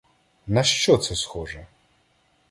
На що це схоже?